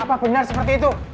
apa benar seperti itu